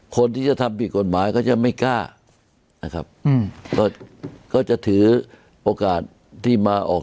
คนที่จะทำผิดกฎหมายก็จะไม่กล้านะครับอืมก็จะถือโอกาสที่มาออก